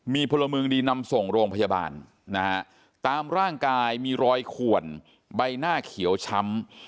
มีพลเมืองดีนำส่งโรงพยาบาลนะฮะตามร่างกายมีรอยขวนใบหน้าเขียวช้ำ